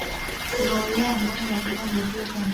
নইলে এমন অদ্ভুত ঘটনা ঘটল কেন?